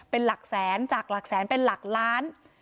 เป็นหลักแสนจากหลักแสนเป็นหลักล้าน